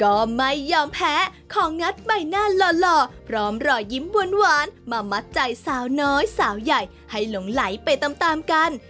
ก็ไม่ยอมแพ้ของงัดใบหน้าหล่อพร้อมรอยยิ้มหวานมามัดใจสาวน้อยสาวใหญ่ให้หลงไหลไปตามตามกัน